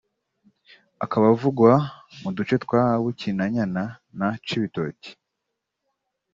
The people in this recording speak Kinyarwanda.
akaba avugwa mu duce twa Bukinanyana na Cibitoki